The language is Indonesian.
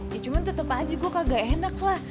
ya cuman tetep aja gue kagak enak lah